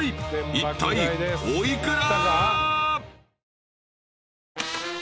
いったいお幾ら？］